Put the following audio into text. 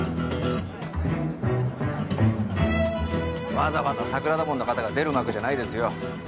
わざわざ桜田門の方が出る幕じゃないですよ。